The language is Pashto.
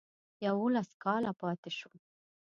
یوولس کاله پاته شو.